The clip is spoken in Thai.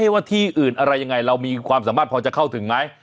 ว่าที่อื่นอะไรยังไงเรามีความสามารถพอจะเข้าถึงไหม